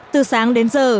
từ sáng đến giờ